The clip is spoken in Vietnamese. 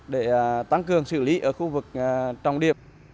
để tăng cường xử lý ở khu vực trong điệp